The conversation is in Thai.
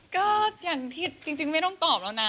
ก็อย่างที่จริงไม่ต้องตอบแล้วนะ